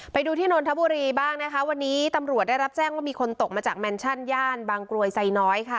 ไปดูที่นนทบุรีบ้างนะคะวันนี้ตำรวจได้รับแจ้งว่ามีคนตกมาจากแมนชั่นย่านบางกรวยไซน้อยค่ะ